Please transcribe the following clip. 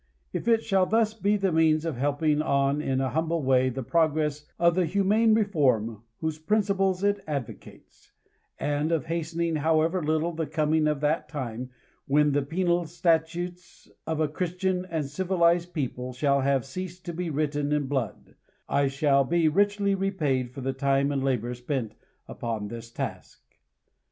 If it shall thus be the means of helping on in a humble way the progress of that humane reform whose principles it advocates; and of hastening, however little^ the coming of that time, when the penal statutes of a "christian" and " civilized people," shall have ceased to be writ ten in blood, I shall be richly repaid for the time and labor spent upon this task.